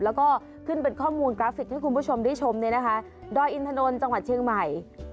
แล้วก็ขึ้นเป็นข้อมูลกราฟิกให้คุณผู้ชมได้ชมเนี่ยนะคะดอยอินทนนท์จังหวัดเชียงใหม่